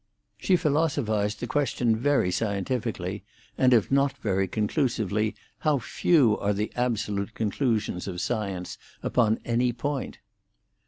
She philosophised the situation very scientifically, and if not very conclusively, how few are the absolute conclusions of science upon any point!